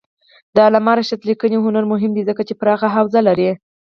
د علامه رشاد لیکنی هنر مهم دی ځکه چې پراخه حوزه لري.